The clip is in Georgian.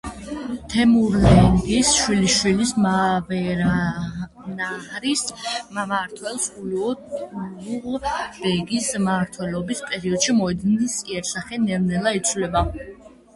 თემურლენგის შვილიშვილის მავერანაჰრის მმართველის, ულუღ ბეგის მმართველობის პერიოდში მოედნის იერსახე ნელ-ნელა იცვლება.